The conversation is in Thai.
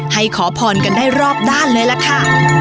ขอพรกันได้รอบด้านเลยล่ะค่ะ